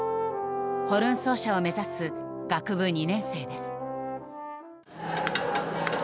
ホルン奏者を目指す学部２年生です。